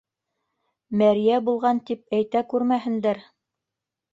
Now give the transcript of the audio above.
Мәрйә булған, тип әйтә күрмәһендәр.